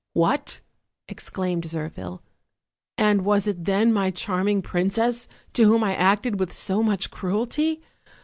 "What!" exclaimed Zirphil, "and was it then my charm ing princess to whom I acted with so much cruelty?